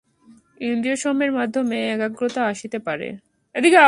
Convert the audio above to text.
ইন্দ্রিয়সমূহের মাধ্যমে একাগ্রতা আসিতে পারে।